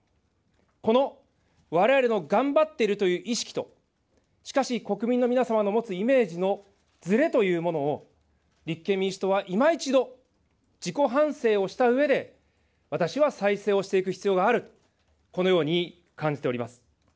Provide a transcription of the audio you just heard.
この、われわれの頑張っているという意識と、しかし国民の皆様の持つイメージのずれというものを、立憲民主党はいま一度、自己反省をしたうえで、私は再生をしていく必要がある、このように感じております。